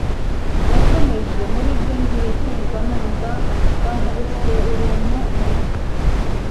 nakomeje muribyo ngiye kumva numva bankubise uruntu mumutwe